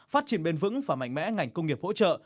phát triển bền vững và mạnh mẽ ngành công nghiệp hỗ trợ